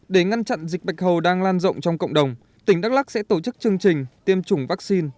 để ngăn chặn dịch bạch hầu đang lan rộng trong cộng đồng tỉnh đắk lắc sẽ tổ chức chương trình tiêm chủng vaccine